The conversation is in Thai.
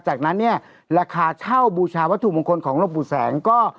จากนั้นเนี่ยราคาเช่าบูชาวัตถุมงคลของหลวงปู่แสงก็